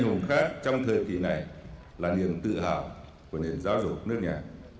hùng khác trong thời kỳ này là niềm tự hào của nền giáo dục nước nhà